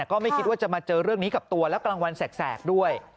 ก็ไม่คิดว่าจะมาเจอเรื่องนี้กับตัวแล้วกลางวันแสกด้วย